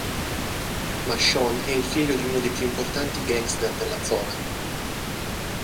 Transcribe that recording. Ma Sean è il figlio di uno dei più importanti gangster della zona.